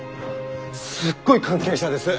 すっごい関係者です。